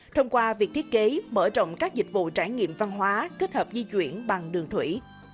thông qua việc thiết kế mở rộng các dịch vụ trải nghiệm văn hóa kết hợp di chuyển bằng đường thủy